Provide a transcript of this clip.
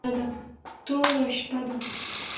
توره شپه ده .